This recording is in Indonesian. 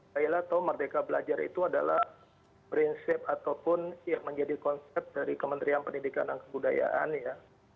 saya lah tahu merdeka belajar itu adalah prinsip ataupun yang menjadi konsep dari kementerian pendidikan dan kebudayaan ya